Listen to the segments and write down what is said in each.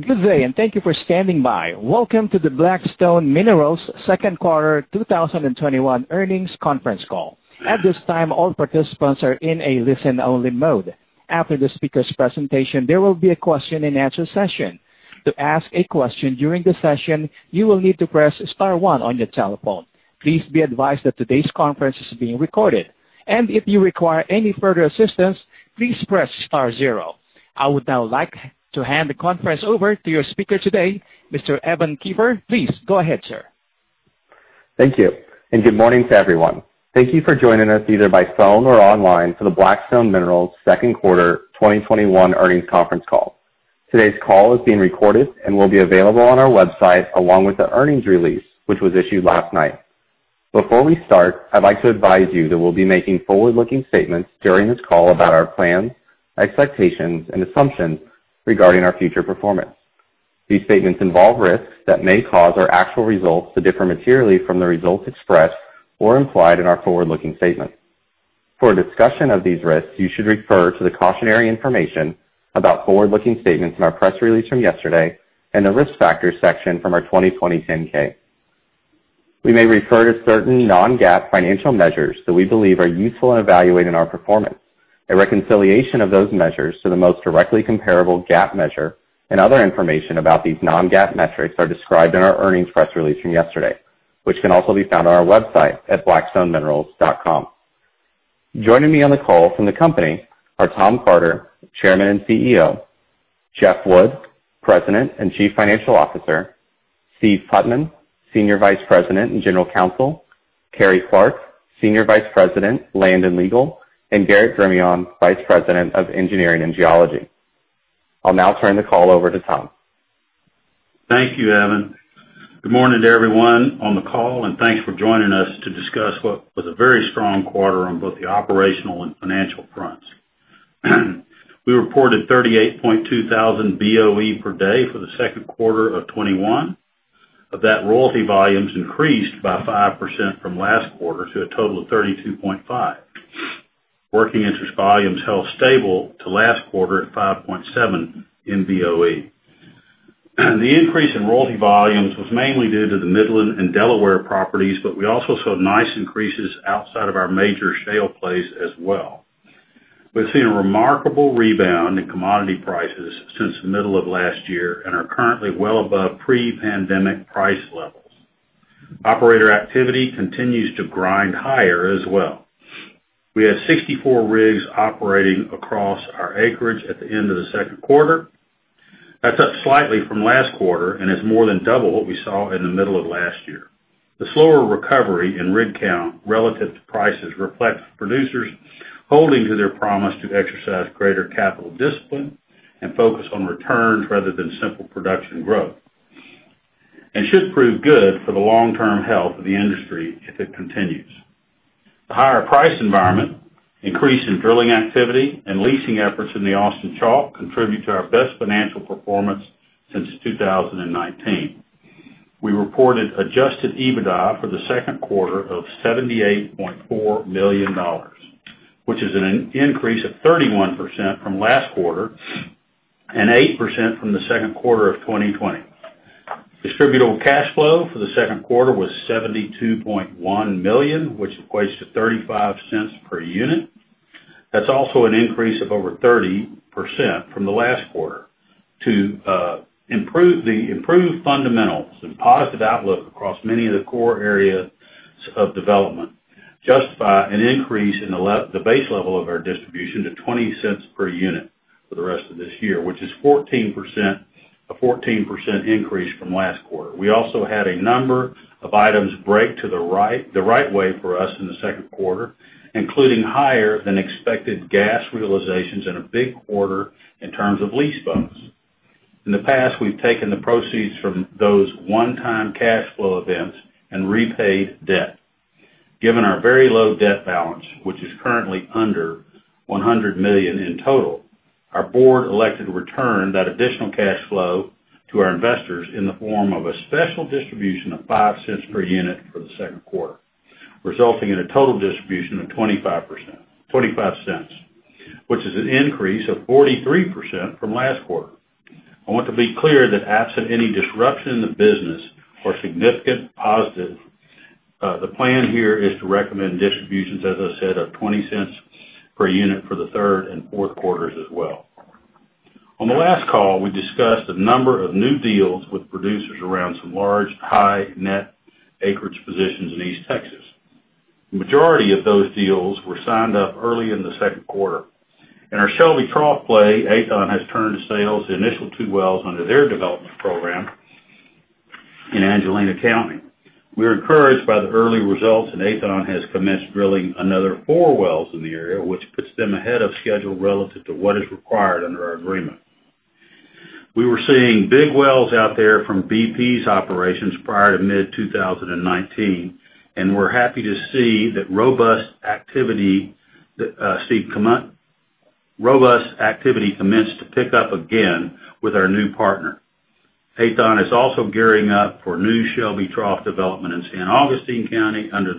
Good day, and thank you for standing by. Welcome to the Black Stone Minerals second quarter 2021 earnings conference call. At this time, all participants are in a listen-only mode. After the speaker's presentation, there will be a question and answer session. To ask a question during the session, you will need to press star one on your telephone. Please be advised that today's conference is being recorded, and if you require any further assistance, please press star zero. I would now like to hand the conference over to your speaker today, Mr. Evan Kiefer. Please go ahead, sir. Thank you, good morning to everyone. Thank you for joining us, either by phone or online, for the Black Stone Minerals second quarter 2021 earnings conference call. Today's call is being recorded and will be available on our website, along with the earnings release, which was issued last night. Before we start, I'd like to advise you that we'll be making forward-looking statements during this call about our plans, expectations, and assumptions regarding our future performance. These statements involve risks that may cause our actual results to differ materially from the results expressed or implied in our forward-looking statements. For a discussion of these risks, you should refer to the cautionary information about forward-looking statements in our press release from yesterday and the Risk Factors section from our 2020 10-K. We may refer to certain non-GAAP financial measures that we believe are useful in evaluating our performance. A reconciliation of those measures to the most directly comparable GAAP measure and other information about these non-GAAP metrics are described in our earnings press release from yesterday, which can also be found on our website at blackstoneminerals.com. Joining me on the call from the company are Tom Carter, Chairman and CEO, Jeff Wood, President and Chief Financial Officer, Steve Putman, Senior Vice President and General Counsel, Carrie Clark, Senior Vice President, Land and Legal, and Garrett Gremillion, Vice President of Engineering and Geology. I'll now turn the call over to Tom. Thank you, Evan. Good morning to everyone on the call, thanks for joining us to discuss what was a very strong quarter on both the operational and financial fronts. We reported 38,200 BOE per day for the second quarter of 2021. Of that, royalty volumes increased by 5% from last quarter to a total of 32.5. Working interest volumes held stable to last quarter at 5.7 in BOE. The increase in royalty volumes was mainly due to the Midland and Delaware properties, we also saw nice increases outside of our major shale plays as well. We've seen a remarkable rebound in commodity prices since the middle of last year are currently well above pre-pandemic price levels. Operator activity continues to grind higher as well. We had 64 rigs operating across our acreage at the end of the second quarter. That's up slightly from last quarter and is more than double what we saw in the middle of last year. The slower recovery in rig count relative to prices reflects producers holding to their promise to exercise greater capital discipline and focus on returns rather than simple production growth. Should prove good for the long-term health of the industry if it continues. The higher price environment, increase in drilling activity, and leasing efforts in the Austin Chalk contribute to our best financial performance since 2019. We reported adjusted EBITDA for the second quarter of $78.4 million, which is an increase of 31% from last quarter and 8% from the second quarter of 2020. Distributable cash flow for the second quarter was $72.1 million, which equates to $0.35 per unit. That's also an increase of over 30% from the last quarter to improve the fundamentals and positive outlook across many of the core areas of development, just by an increase in the base level of our distribution to $0.20 per unit for the rest of this year, which is a 14% increase from last quarter. We also had a number of items break the right way for us in the second quarter, including higher than expected gas realizations and a big quarter in terms of lease bonus. In the past, we've taken the proceeds from those one-time cash flow events and repaid debt. Given our very low debt balance, which is currently under $100 million in total, our board elected to return that additional cash flow to our investors in the form of a special distribution of $0.05 per unit for the second quarter, resulting in a total distribution of $0.25, which is an increase of 43% from last quarter. I want to be clear that absent any disruption in the business or significant positive, the plan here is to recommend distributions, as I said, of $0.20 per unit for the third and fourth quarters as well. On the last call, we discussed a number of new deals with producers around some large high net acreage positions in East Texas. The majority of those deals were signed up early in the second quarter. In our Shelby Trough play, Aethon has turned to sales the initial two wells under their development program in Angelina County. We're encouraged by the early results, Aethon has commenced drilling another four wells in the area, which puts them ahead of schedule relative to what is required under our agreement. We were seeing big wells out there from BP's operations prior to mid-2019, and we're happy to see that robust activity, commenced to pick up again with our new partner. Aethon is also gearing up for new Shelby Trough development in San Augustine County under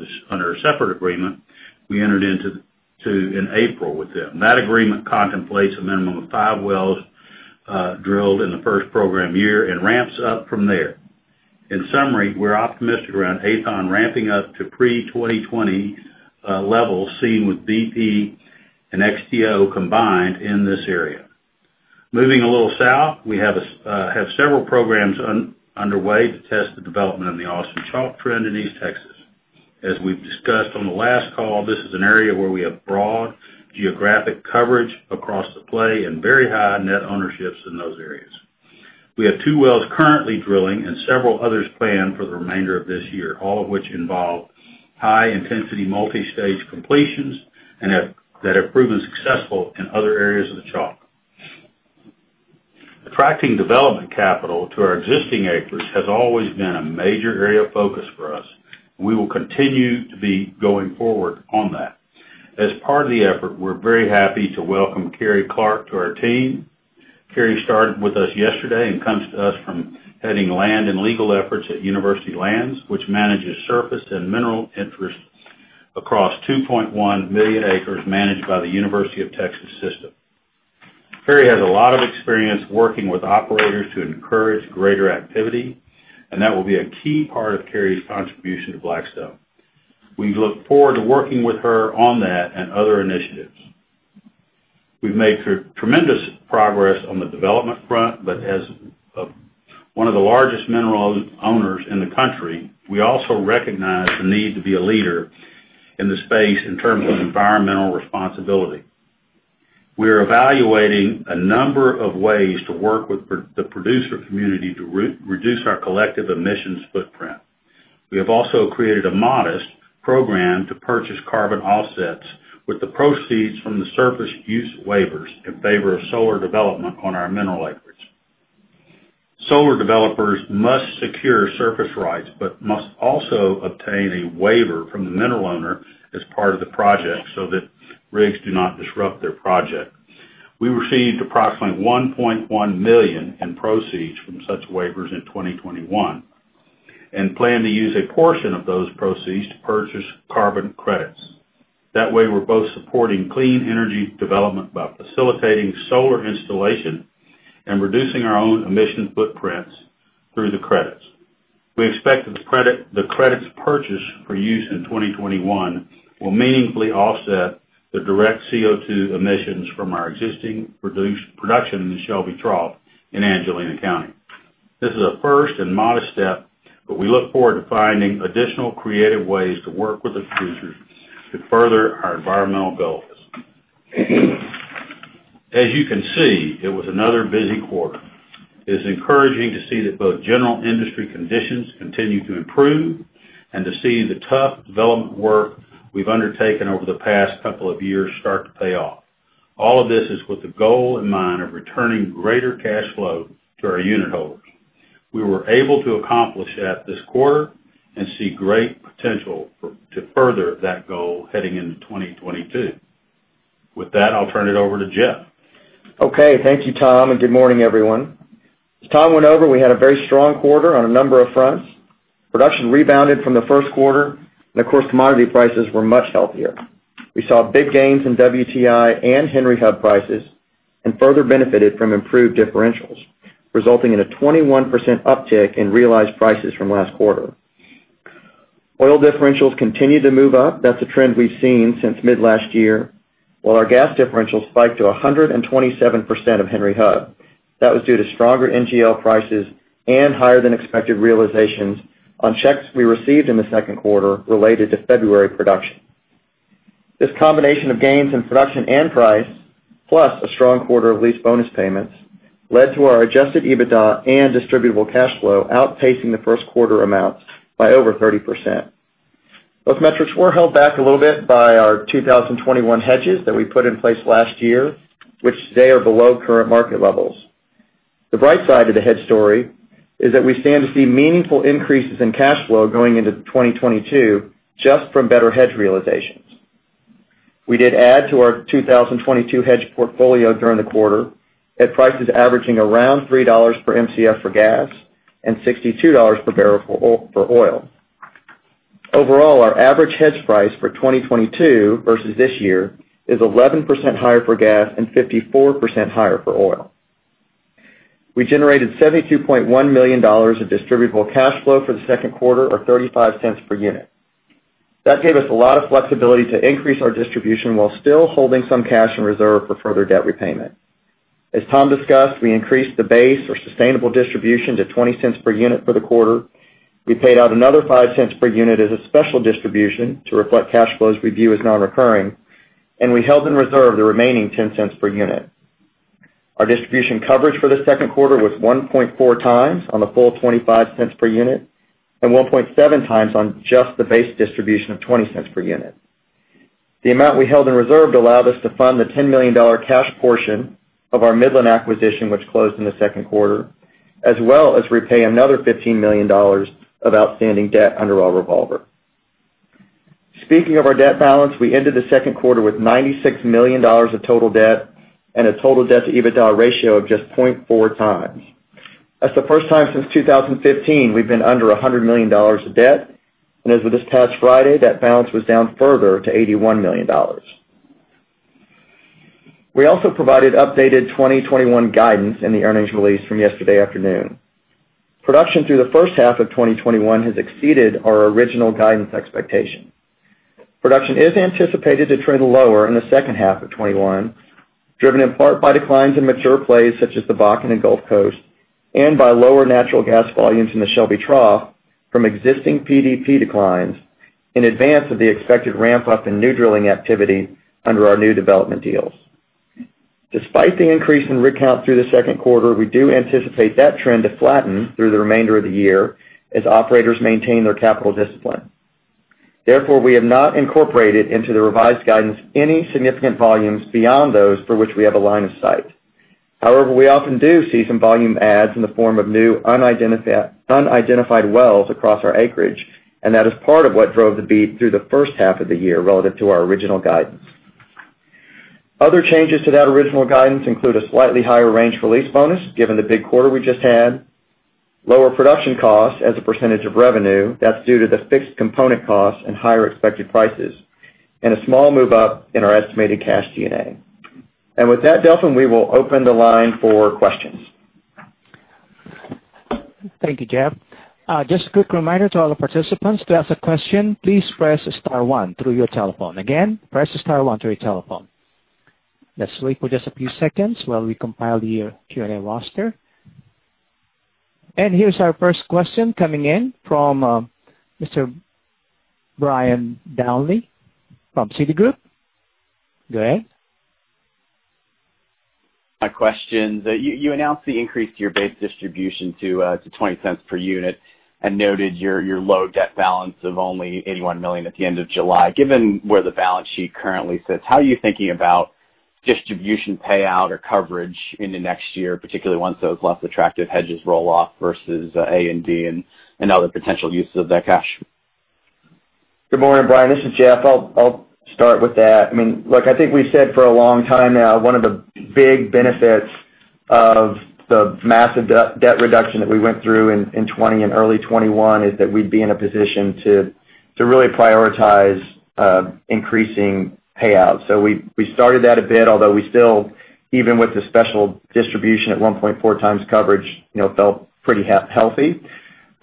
a separate agreement we entered into in April with them. That agreement contemplates a minimum of five wells drilled in the first program year and ramps up from there. In summary, we're optimistic around Aethon ramping up to pre-2020 levels seen with BP and XTO combined in this area. Moving a little south, we have several programs underway to test the development of the Austin Chalk Trend in East Texas. As we've discussed on the last call, this is an area where we have broad geographic coverage across the play and very high net ownerships in those areas. We have two wells currently drilling and several others planned for the remainder of this year, all of which involve high-intensity multistage completions that have proven successful in other areas of the Chalk. Attracting development capital to our existing acres has always been a major area of focus for us. We will continue to be going forward on that. As part of the effort, we're very happy to welcome Carrie Clark to our team. Carrie started with us yesterday and comes to us from heading Land and Legal efforts at University Lands, which manages surface and mineral interests across 2.1 million acres managed by The University of Texas System. Carrie has a lot of experience working with operators to encourage greater activity, and that will be a key part of Carrie's contribution to Black Stone. We look forward to working with her on that and other initiatives. We've made tremendous progress on the development front, but as one of the largest mineral owners in the country, we also recognize the need to be a leader in the space in terms of environmental responsibility. We are evaluating a number of ways to work with the producer community to reduce our collective emissions footprint. We have also created a modest program to purchase carbon offsets with the proceeds from the surface use waivers in favor of solar development on our mineral acreage. Solar developers must secure surface rights, but must also obtain a waiver from the mineral owner as part of the project so that rigs do not disrupt their project. We received approximately $1.1 million in proceeds from such waivers in 2021 and plan to use a portion of those proceeds to purchase carbon credits. That way, we're both supporting clean energy development by facilitating solar installation and reducing our own emissions footprints through the credits. We expect the credits purchased for use in 2021 will meaningfully offset the direct CO2 emissions from our existing production in the Shelby Trough in Angelina County. This is a first and modest step, but we look forward to finding additional creative ways to work with the producers to further our environmental goals. As you can see, it was another busy quarter. It is encouraging to see that both general industry conditions continue to improve and to see the tough development work we've undertaken over the past couple of years start to pay off. All of this is with the goal in mind of returning greater cash flow to our unitholders. We were able to accomplish that this quarter and see great potential to further that goal heading into 2022. With that, I'll turn it over to Jeff. Thank you, Tom, and good morning, everyone. As Tom went over, we had a very strong quarter on a number of fronts. Production rebounded from the first quarter, and of course, commodity prices were much healthier. We saw big gains in WTI and Henry Hub prices and further benefited from improved differentials, resulting in a 21% uptick in realized prices from last quarter. Oil differentials continued to move up. That's a trend we've seen since mid-last year, while our gas differentials spiked to 127% of Henry Hub. That was due to stronger NGL prices and higher than expected realizations on checks we received in the second quarter related to February production. This combination of gains in production and price, plus a strong quarter of lease bonus payments, led to our adjusted EBITDA and distributable cash flow outpacing the first quarter amounts by over 30%. Those metrics were held back a little bit by our 2021 hedges that we put in place last year, which today are below current market levels. The bright side of the hedge story is that we stand to see meaningful increases in cash flow going into 2022 just from better hedge realizations. We did add to our 2022 hedge portfolio during the quarter at prices averaging around $3 per Mcf for gas and $62 per barrel for oil. Our average hedge price for 2022 versus this year is 11% higher for gas and 54% higher for oil. We generated $72.1 million of distributable cash flow for the second quarter or $0.35 per unit. That gave us a lot of flexibility to increase our distribution while still holding some cash in reserve for further debt repayment. As Tom discussed, we increased the base or sustainable distribution to $0.20 per unit for the quarter. We paid out another $0.05 per unit as a special distribution to reflect cash flows we view as non-recurring, and we held in reserve the remaining $0.10 per unit. Our distribution coverage for the second quarter was 1.4x on the full $0.25 per unit and 1.7x on just the base distribution of $0.20 per unit. The amount we held in reserve allowed us to fund the $10 million cash portion of our Midland acquisition, which closed in the second quarter, as well as repay another $15 million of outstanding debt under our revolver. Speaking of our debt balance, we ended the second quarter with $96 million of total debt and a total debt to EBITDA ratio of just 0.4x. That's the first time since 2015 we've been under $100 million of debt. As of this past Friday, that balance was down further to $81 million. We also provided updated 2021 guidance in the earnings release from yesterday afternoon. Production through the first half of 2021 has exceeded our original guidance expectation. Production is anticipated to trend lower in the second half of 2021, driven in part by declines in mature plays such as the Bakken and Gulf Coast, and by lower natural gas volumes in the Shelby Trough from existing PDP declines in advance of the expected ramp up in new drilling activity under our new development deals. Despite the increase in rig count through the second quarter, we do anticipate that trend to flatten through the remainder of the year as operators maintain their capital discipline. Therefore, we have not incorporated into the revised guidance any significant volumes beyond those for which we have a line of sight. However, we often do see some volume adds in the form of new unidentified wells across our acreage, and that is part of what drove the beat through the first half of the year relative to our original guidance. Other changes to that original guidance include a slightly higher range release bonus, given the big quarter we just had, lower production costs as a percentage of revenue that's due to the fixed component costs and higher expected prices, and a small move up in our estimated cash G&A. With that, Delvin, we will open the line for questions. Thank you, Jeff. Just a quick reminder to all participants. To ask a question, please press star one through your telephone. Again, press star one through your telephone. Let's wait for just a few seconds while we compile the Q&A roster. Here's our first question coming in from Mr. Brian Downey from Citigroup. Go ahead. My question is, you announced the increase to your base distribution to $0.20 per unit and noted your low debt balance of only $81 million at the end of July. Given where the balance sheet currently sits, how are you thinking about distribution payout or coverage in the next year, particularly once those less attractive hedges roll off versus A&D and other potential uses of that cash? Good morning, Brian, this is Jeff. I'll start with that. Look, I think we've said for a long time now, one of the big benefits of the massive debt reduction that we went through in 2020 and early 2021 is that we'd be in a position to really prioritize increasing payouts. We started that a bit, although we still, even with the special distribution at 1.4x coverage, felt pretty healthy.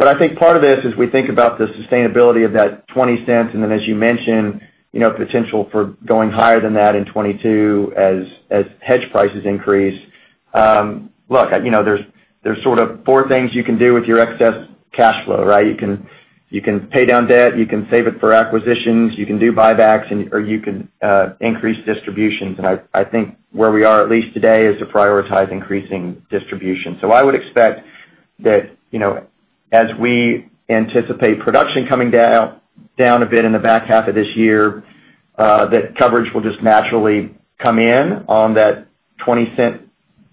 I think part of this is we think about the sustainability of that $0.20, and then as you mentioned, potential for going higher than that in 2022 as hedge prices increase. Look, there's sort of four things you can do with your excess cash flow, right? You can pay down debt, you can save it for acquisitions, you can do buybacks, or you can increase distributions. I think where we are, at least today, is to prioritize increasing distribution. I would expect that as we anticipate production coming down a bit in the back half of this year, that coverage will just naturally come in on that $0.20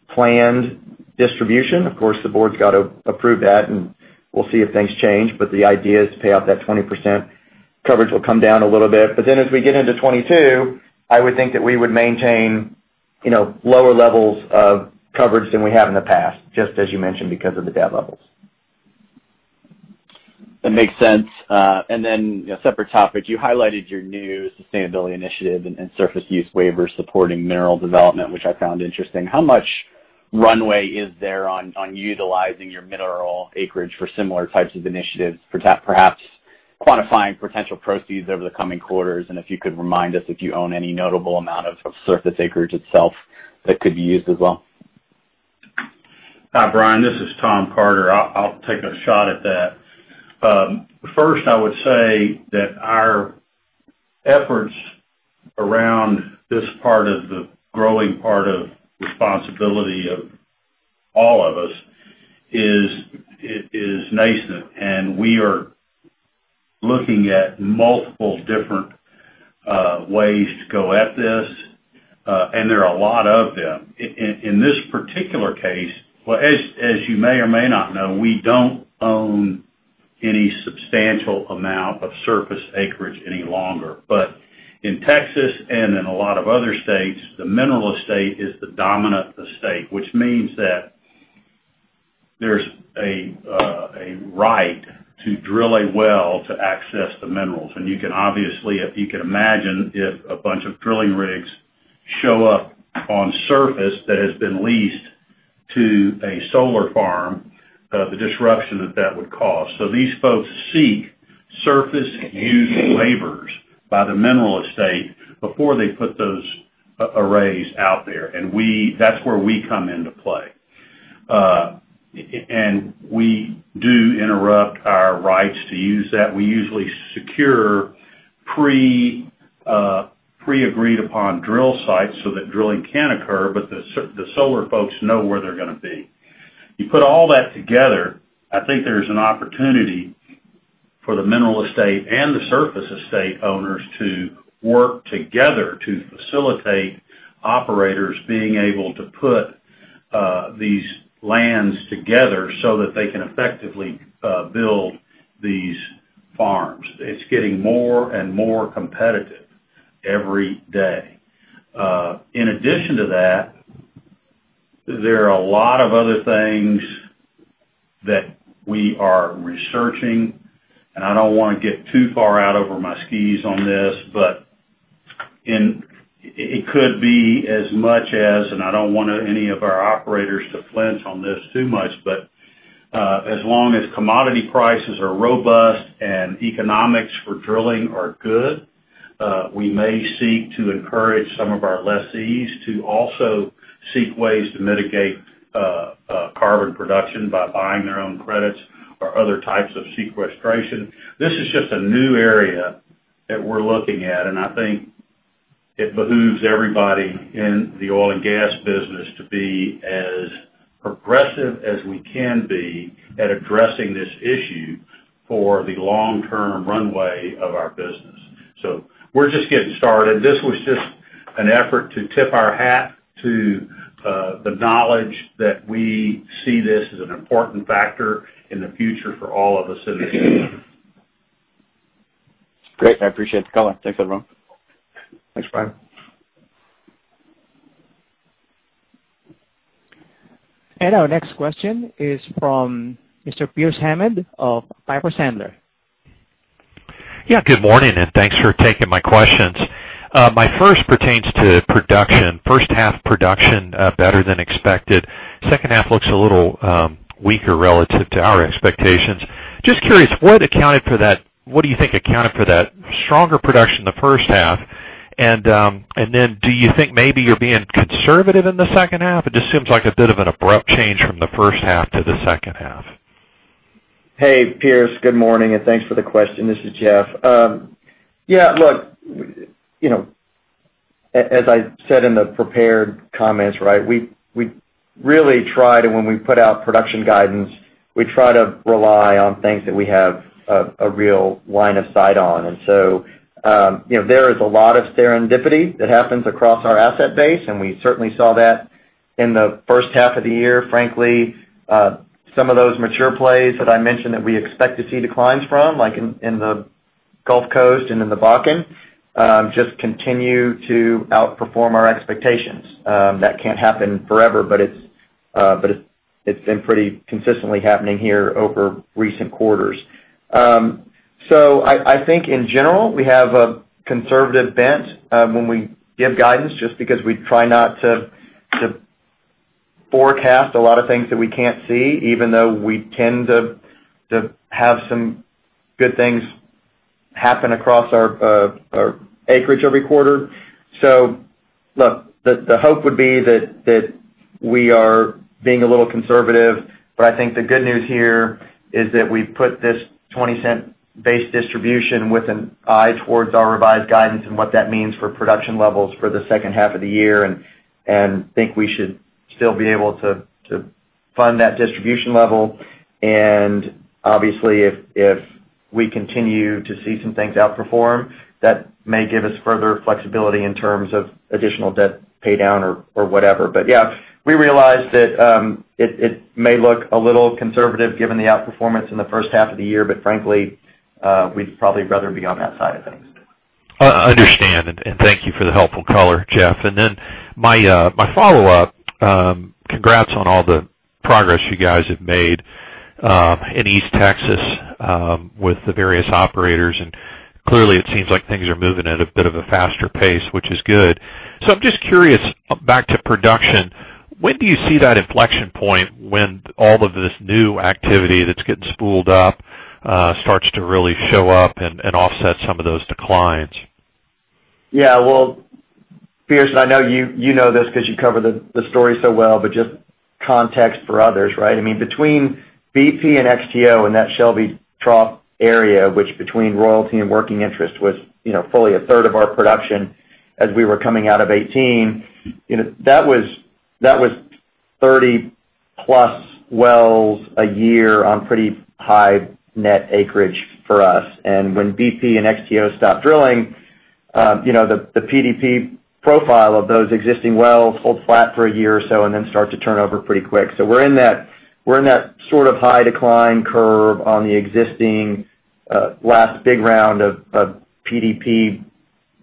planned distribution. Of course, the board's got to approve that, and we'll see if things change. The idea is to pay off that 20%. Coverage will come down a little bit. As we get into 2022, I would think that we would maintain lower levels of coverage than we have in the past, just as you mentioned, because of the debt levels. That makes sense. A separate topic, you highlighted your new sustainability initiative and surface use waiver supporting mineral development, which I found interesting. How much runway is there on utilizing your mineral acreage for similar types of initiatives, perhaps quantifying potential proceeds over the coming quarters? If you could remind us if you own any notable amount of surface acreage itself that could be used as well? Hi, Brian. This is Tom Carter. I'll take a shot at that. First, I would say that our efforts around this part of the growing part of responsibility of all of us is nascent, and we are looking at multiple different ways to go at this, and there are a lot of them. In this particular case, as you may or may not know, we don't own any substantial amount of surface acreage any longer. In Texas and in a lot of other states, the mineral estate is the dominant estate, which means that there's a right to drill a well to access the minerals. You can obviously, if you can imagine, if a bunch of drilling rigs show up on surface that has been leased to a solar farm, the disruption that that would cause. These folks seek surface use waivers by the mineral estate before they put those arrays out there, and that's where we come into play. We do interrupt our rights to use that. We usually secure pre-agreed-upon drill sites so that drilling can occur, but the solar folks know where they're going to be. You put all that together, I think there's an opportunity for the mineral estate and the surface estate owners to work together to facilitate operators being able to put these lands together so that they can effectively build these farms. It's getting more and more competitive every day. In addition to that, there are a lot of other things that we are researching, and I don't want to get too far out over my skis on this. It could be as much as, and I don't want any of our operators to flinch on this too much. But as long as commodity prices are robust and economics for drilling are good, we may seek to encourage some of our lessees to also seek ways to mitigate carbon production, by buying their own credits or other types of sequestration. This is just a new area that we're looking at, and I think it behooves everybody in the oil and gas business to be as progressive as we can be at addressing this issue for the long-term runway of our business. We're just getting started. This was just an effort to tip our hat to the knowledge that we see this as an important factor in the future for all of us in this industry. I appreciate the color. Thanks, everyone. Thanks, Brian. Our next question is from Mr. Pearce Hammond of Piper Sandler. Good morning, and thanks for taking my questions. My first pertains to production. First half production, better than expected. Second half looks a little weaker relative to our expectations. Just curious, what do you think accounted for that stronger production in the first half, and then do you think maybe you're being conservative in the second half? It just seems like a bit of an abrupt change from the first half to the second half. Hey, Pearce. Good morning, and thanks for the question. This is Jeff. As I said in the prepared comments, we really try to, when we put out production guidance, we try to rely on things that we have a real line of sight on. There is a lot of serendipity that happens across our asset base, and we certainly saw that in the first half of the year. Frankly, some of those mature plays that I mentioned that we expect to see declines from, like in the Gulf Coast and in the Bakken, just continue to outperform our expectations. That can't happen forever, but it's been pretty consistently happening here over recent quarters. I think in general, we have a conservative bent when we give guidance, just because we try not to forecast a lot of things that we can't see, even though we tend to have some good things happen across our acreage every quarter. Look, the hope would be that we are being a little conservative, but I think the good news here is that we've put this $0.20 base distribution with an eye towards our revised guidance and what that means for production levels for the second half of the year, and think we should still be able to fund that distribution level. Obviously, if we continue to see some things outperform, that may give us further flexibility in terms of additional debt paydown or whatever. We realize that it may look a little conservative given the outperformance in the first half of the year, but frankly, we'd probably rather be on that side of things. Understand. Thank you for the helpful color, Jeff. My follow-up. Congrats on all the progress you guys have made in East Texas with the various operators, and clearly it seems like things are moving at a bit of a faster pace, which is good. I'm just curious, back to production, when do you see that inflection point when all of this new activity that's getting spooled up starts to really show up and offset some of those declines? Well, Pearce, I know you know this because you cover the story so well, just context for others. Between BP and XTO and that Shelby Trough area, which between royalty and working interest was fully a third of our production as we were coming out of 2018, that was 30+ wells a year on pretty high net acreage for us. When BP and XTO stopped drilling, the PDP profile of those existing wells hold flat for a year or so then start to turn over pretty quick. We're in that sort of high decline curve on the existing last big round of wells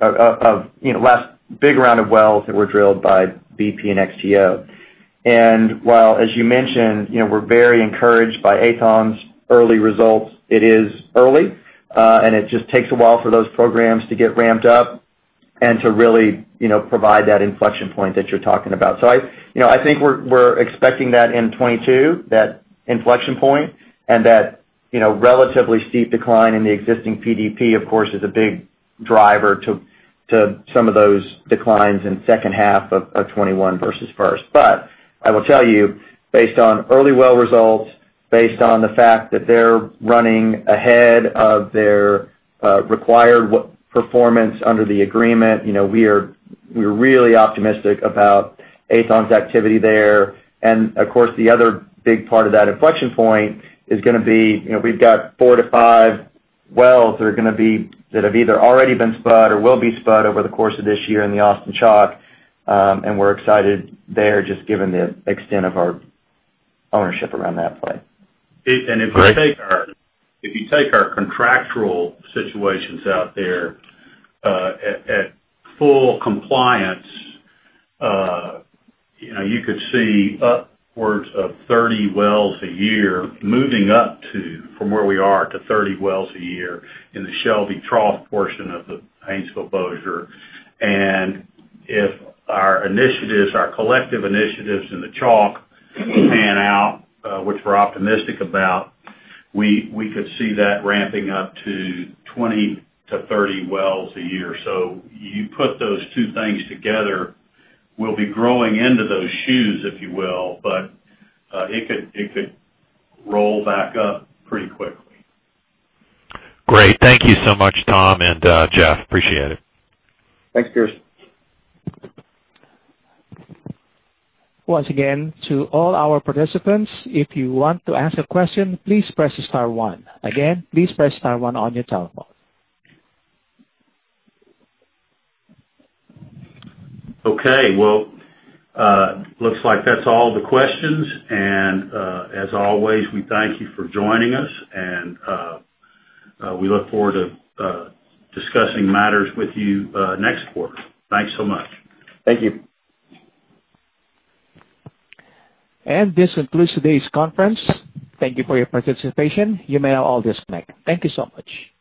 that were drilled by BP and XTO. While, as you mentioned, we're very encouraged by Aethon's early results, it is early, and it just takes a while for those programs to get ramped up and to really provide that inflection point that you're talking about. I think we're expecting that in 2022, that inflection point, and that relatively steep decline in the existing PDP, of course, is a big driver to some of those declines in second half of 2021 versus first. I will tell you, based on early well results, based on the fact that they're running ahead of their required performance under the agreement, we are really optimistic about Aethon's activity there. Of course, the other big part of that inflection point is going to be, we've got four to five wells that have either already been spud or will be spud over the course of this year in the Austin Chalk. We're excited there just given the extent of our ownership around that play. If you take our contractual situations out there at full compliance, you could see upwards of 30 wells a year moving up to, from where we are, to 30 wells a year in the Shelby Trough portion of the Haynesville-Bossier. If our initiatives, our collective initiatives in the Chalk pan out, which we're optimistic about, we could see that ramping up to 20 to 30 wells a year. You put those two things together, we'll be growing into those shoes, if you will, but it could roll back up pretty quickly. Thank you so much, Tom and Jeff. Appreciate it. Thanks, Pearce. Once again, to all our participants, if you want to ask a question, please press star one. Again, please press star one on your telephone. Okay. Well, looks like that's all the questions. As always, we thank you for joining us, and we look forward to discussing matters with you next quarter. Thanks so much. Thank you. This concludes today's conference. Thank you for your participation. You may now all disconnect. Thank you so much.